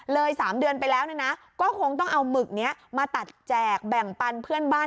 ๓เดือนไปแล้วก็คงต้องเอาหมึกนี้มาตัดแจกแบ่งปันเพื่อนบ้าน